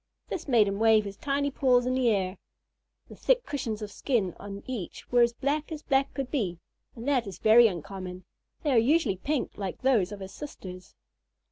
This made him wave his tiny paws in the air. The thick cushions of skin on each were as black as black could be, and that is very uncommon. They are usually pink, like those of his sisters.